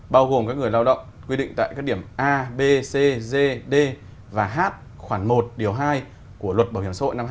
bao gồm các người lao động quy định tại các điểm a b c d d và h khoảng một điều hai của luật bảo hiểm xã hội năm hai nghìn một mươi bốn